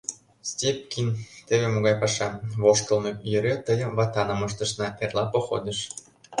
— Степкин, теве могай паша: воштылмо йӧре тыйым ватаным ыштышна, эрла – походыш...